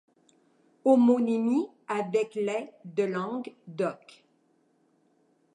Homonymie avec les de langue d'oc.